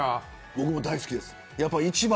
僕も大好きです。